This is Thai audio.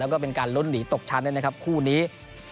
แล้วก็เป็นการลุ้นหนีตกชั้นด้วยนะครับคู่นี้